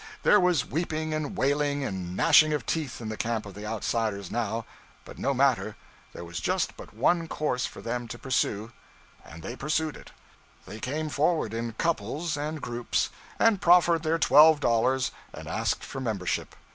There was weeping and wailing and gnashing of teeth in the camp of the outsiders now. But no matter, there was but one course for them to pursue, and they pursued it. They came forward in couples and groups, and proffered their twelve dollars and asked for membership.